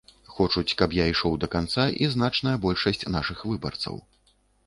Хочуць, каб я ішоў да канца, і значная большасць нашых выбарцаў.